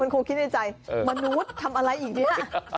คงคิดในใจมนุษย์ทำอะไรอีกเนี่ย